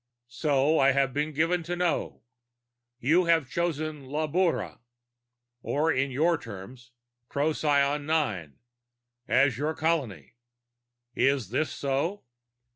"So I have been given to know. You have chosen Labura or, in your terms, Procyon VIII as your colony. Is this so?"